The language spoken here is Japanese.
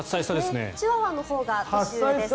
チワワのほうが年上です。